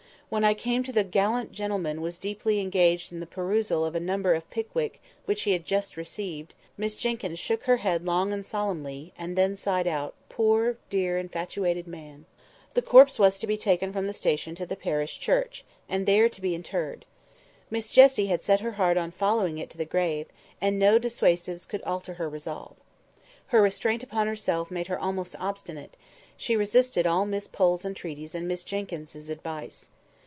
When I came to the "gallant gentleman was deeply engaged in the perusal of a number of 'Pickwick,' which he had just received," Miss Jenkyns shook her head long and solemnly, and then sighed out, "Poor, dear, infatuated man!" The corpse was to be taken from the station to the parish church, there to be interred. Miss Jessie had set her heart on following it to the grave; and no dissuasives could alter her resolve. Her restraint upon herself made her almost obstinate; she resisted all Miss Pole's entreaties and Miss Jenkyns' advice.